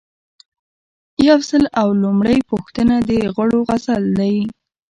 یو سل او لومړۍ پوښتنه د غړو عزل دی.